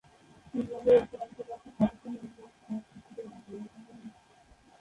ইংল্যান্ডের উত্তরাঞ্চলে একটি পাকিস্তানি অভিবাসী সমাজকে ঘিরে এই বইয়ের কাহিনী।